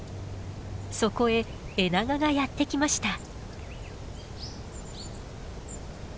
そこへエナガがやって来ました。